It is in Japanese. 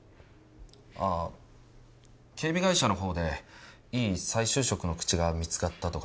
ああ警備会社のほうでいい再就職の口が見つかったとかで。